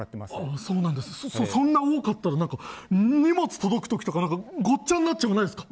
そんな多かったら荷物届く時とかごっちゃになっちゃわないですか。